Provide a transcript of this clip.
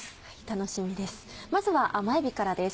楽しみです